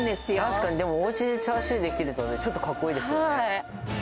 確かに、でも、おうちでチャーシューできるとね、ちょっとかっこいいですよね。